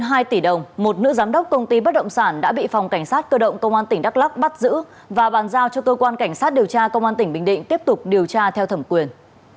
hơn hai tỷ đồng một nữ giám đốc công ty bất động sản đã bị phòng cảnh sát cơ động công an tỉnh đắk lắc bắt giữ và bàn giao cho cơ quan cảnh sát điều tra công an tỉnh bình định tiếp tục điều tra theo thẩm quyền